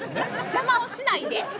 邪魔をしないで。